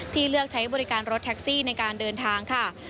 เลือกใช้บริการรถแท็กซี่ในการเดินทางค่ะ